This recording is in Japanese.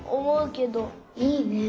いいね。